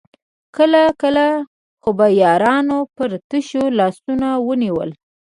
کله کله خو به يارانو پر تشو لاسونو ونيول.